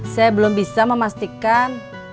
saya belum bisa memastikan